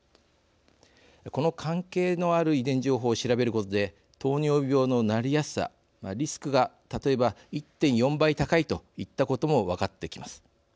この関係のある遺伝情報を調べることで糖尿病のなりやすさリスクが例えば１．４倍高いといったことも分かってきます。